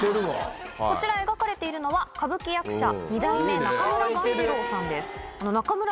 こちら描かれているのは歌舞伎役者２代目中村鴈治郎さんです。